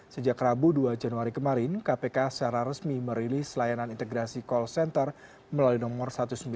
sejak rabu dua januari kemarin kpk secara resmi merilis layanan integrasi call center melalui nomor satu ratus sembilan puluh